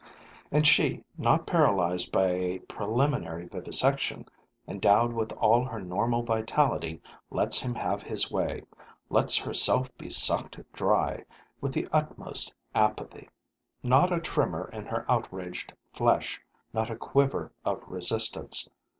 And she, not paralyzed by a preliminary vivisection, endowed with all her normal vitality, lets him have his way, lets herself be sucked dry, with the utmost apathy. Not a tremor in her outraged flesh, not a quiver of resistance.